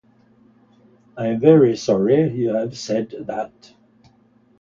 I am very sorry you have said that.